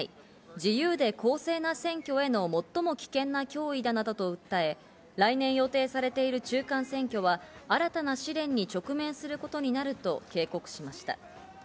自由で公正な選挙への最も危険な脅威だなどと訴え、来年予定されている中間選挙は新たな試練に直面することになると警告しました。